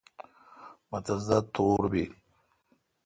مہ تس دا تور بیل۔